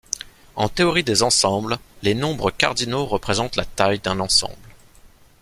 En théorie des ensembles, les nombres cardinaux représentent la taille d'un ensemble.